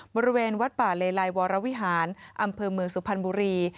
บริเวณวัดป่าเลไลวรวิหารอำเภอเมืองสุพรรณบุรี